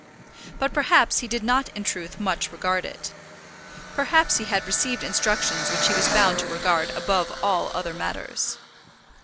But, perhaps, he did not in truth much regard it. Perhaps he had received instructions which he was bound to regard above all other matters.